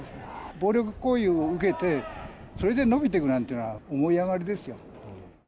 暴力行為を受けて、それで伸びてくなんて思い上がりですよ。